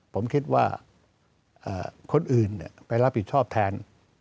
ผมคิดว่าคนอื่นไปรับผิดชอบแทน